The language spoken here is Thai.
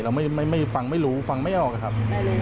เราไม่ฟังไม่รู้ฟังไม่ออกอะครับ